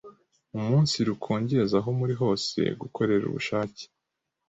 umunsirukongeza aho muri hose, gukorera ubushake